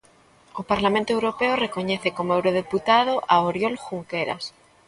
O Parlamento Europeo recoñece como eurodeputado a Oriol Junqueras.